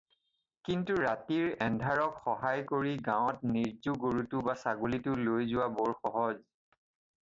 কিন্তু ৰাতিৰ এন্ধাৰক সহায় কৰি গাওঁত নিৰ্জ্জু গৰুটো বা ছাগলীটো লৈ যোৱা বৰ সহজ।